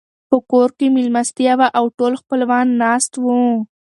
په کور کې مېلمستيا وه او ټول خپلوان ناست وو.